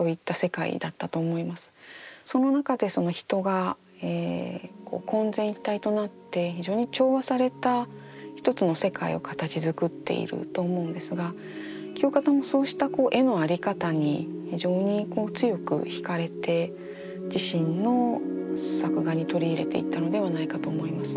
その中で人が混然一体となって非常に調和された一つの世界を形づくっていると思うのですが清方はそうした絵の在り方に非常に強く惹かれて自身の作画に取り入れていったのではないかと思います。